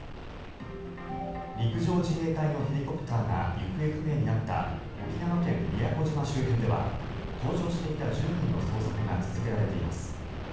陸上自衛隊のヘリコプターが行方不明になった沖縄県・宮古島周辺では搭乗していた１０人の捜索が続けられています。